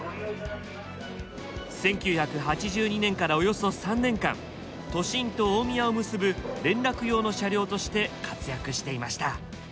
１９８２年からおよそ３年間都心と大宮を結ぶ連絡用の車両として活躍していました。